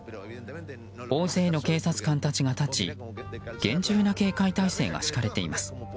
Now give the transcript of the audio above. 大勢の警察官たちが立ち厳重な警戒態勢が敷かれています。